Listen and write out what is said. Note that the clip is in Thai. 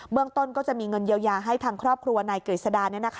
ต้นก็จะมีเงินเยียวยาให้ทางครอบครัวนายกฤษดา